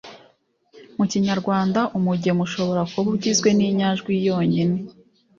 Mu kinyarwanda, umugemo ushobora kuba ugizwe n’inyajwi yonyine,